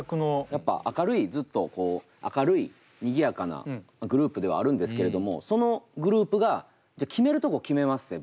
やっぱ明るいずっとこう明るいにぎやかなグループではあるんですけれどもそのグループが決めるとこ決めまっせ。